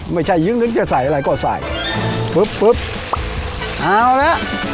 ไม่ใช่ยึ้งนึกจะใส่อะไรก็ใส่ปุ๊บปุ๊บเอาละ